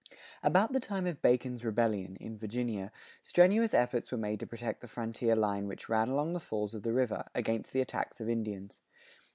About the time of Bacon's Rebellion, in Virginia, strenuous efforts were made to protect the frontier line which ran along the falls of the river, against the attacks of Indians.